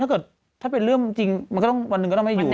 ถ้าเกิดถ้าเป็นเรื่องจริงมันก็ต้องวันหนึ่งก็ต้องไม่อยู่